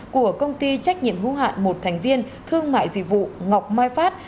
của công ty trách nhiệm hữu hạn một thành viên thương mại dịch vụ ngọc mai phát